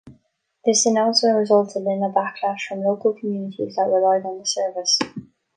This announcement resulted in a backlash from local communities that relied on the service.